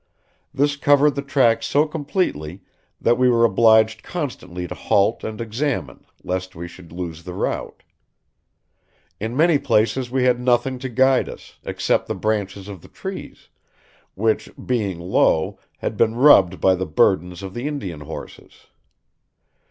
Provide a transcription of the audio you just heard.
This covered the track so completely that we were obliged constantly to halt and examine, lest we should lose the route. In many places we had nothing to guide us, except the branches of the trees, which, being low, had been rubbed by the burdens of the Indian horses....